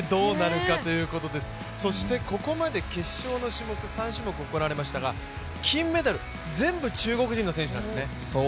そしてここまで決勝の種目、３種目行われましたが金メダル全部中国人の選手なんですね。